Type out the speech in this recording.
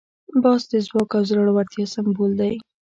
باز د ځواک او زړورتیا سمبول دی